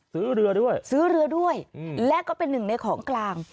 ซื้อเรือด้วยซื้อเรือด้วยและก็เป็นหนึ่งในของกลาง